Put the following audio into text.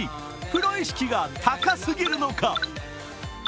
プロ意識が高すぎるのか。